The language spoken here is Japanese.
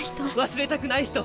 忘れたくない人。